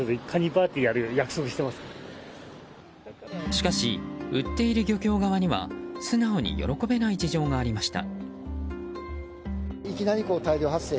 しかし、売っている漁協側には素直に喜べない事情がありました。